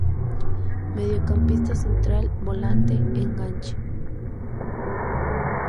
Mediocampista central, volante, enganche.